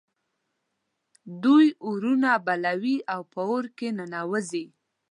دوی اورونه بلوي او په اور کې ننوزي.